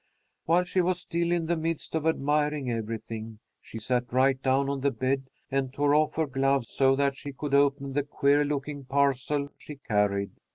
While she was still in the midst of admiring everything, she sat right down on the bed and tore off her gloves, so that she could open the queer looking parcel she carried.